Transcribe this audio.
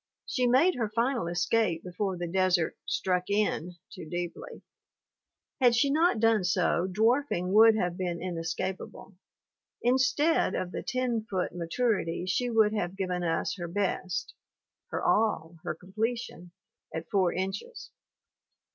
She made her final escape before the desert "struck in" too deeply; had she not done so dwarfing would have been inescapable ; instead of the ten foot maturity she would have given us her best her all, her completion at four inches.